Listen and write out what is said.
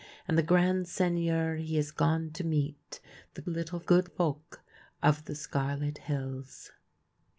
. And the grand Seigneur he has gone to meet The little good Folk of the Scarlet Hills